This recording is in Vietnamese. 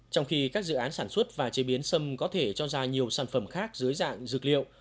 trong khi các dự án sản xuất và chế biến sâm có thể cho ra nhiều sản phẩm khác dưới dạng dược liệu